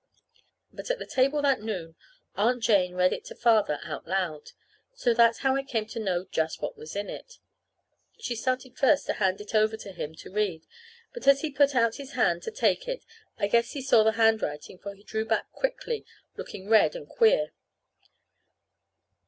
But at the table that noon Aunt Jane read it to Father out loud. So that's how I came to know just what was in it. She started first to hand it over to him to read; but as he put out his hand to take it I guess he saw the handwriting, for he drew back quickly, looking red and queer.